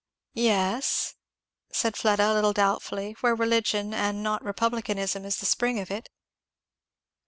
"Yes " said Fleda a little doubtfully, "where religion and not republicanism is the spring of it."